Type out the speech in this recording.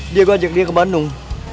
diego ajak dia ke bandung